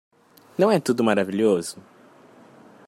Não é tudo maravilhoso?